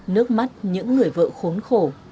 nước mắt những người vợ khốn khổ